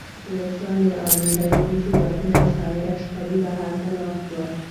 له چا مې اورېدي وو چې وتلی شاعر عشقري به هلته ناست و.